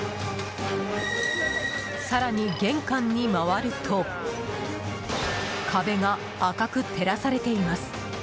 更に玄関に回ると壁が赤く照らされています。